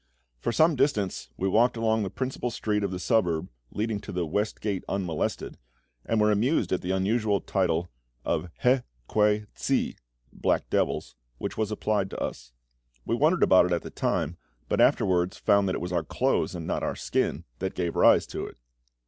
For some distance we walked along the principal street of the suburb leading to the West Gate unmolested, and were amused at the unusual title of Heh kwei tsi (black devils) which was applied to us. We wondered about it at the time, but afterwards found that it was our clothes, and not our skin, that gave rise to it.